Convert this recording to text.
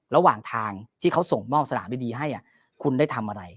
ระหว่างทางที่เขาส่งมอบสนามดีให้คุณได้ทำอะไร